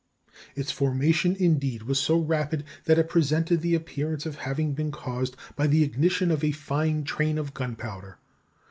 Its formation, indeed, was so rapid that it presented the appearance of having been caused by the ignition of a fine train of gunpowder.